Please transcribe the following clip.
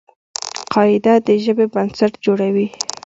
قاعده د ژبي بنسټ جوړوي.